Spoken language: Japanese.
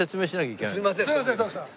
すいません徳さん。